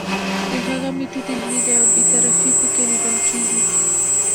د هغه میتود علمي دی او بې طرفي پکې لیدل کیږي.